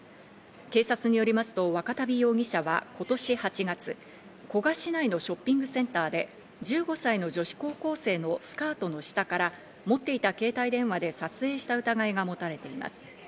警察によりますと若旅容疑者は今年８月、古河市内のショッピングセンターで、１５歳の女子高校生のスカートの下から持っていた携帯電話で撮影した疑いが持たれています。